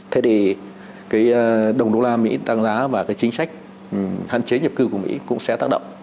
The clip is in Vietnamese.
thế thì cái đồng đô la mỹ tăng giá và cái chính sách hạn chế nhập cư của mỹ cũng sẽ tác động